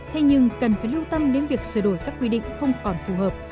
thế nhưng cần phải lưu tâm đến việc sửa đổi các quy định không còn phù hợp